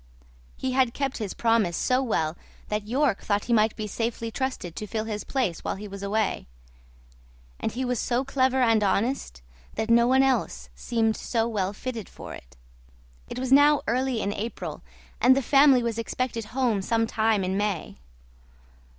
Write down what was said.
He had kept his promise so well that York thought he might be safely trusted to fill his place while he was away, and he was so clever and honest that no one else seemed so well fitted for it. It was now early in April, and the family was expected home some time in May.